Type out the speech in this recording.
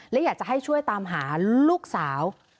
และอยากจะให้ช่วยตามหาลูกสาว